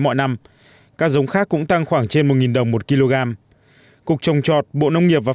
mọi năm các giống khác cũng tăng khoảng trên một đồng một kg cục trồng trọt bộ nông nghiệp và